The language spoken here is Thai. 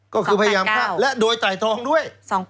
ก็คือพยายามฆ่าและโดยไตรตรองด้วย